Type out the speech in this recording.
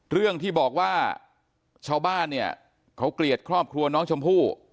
เรื่องที่บอกว่าชาวบ้านเนี่ยเขาเกลียดครอบครัวน้องชมพู่